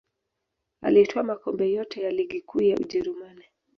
Alitwaa makombe yote ya ligi kuu ya ujerumani